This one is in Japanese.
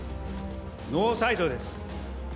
ノーサイドです。